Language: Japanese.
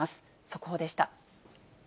速報でした。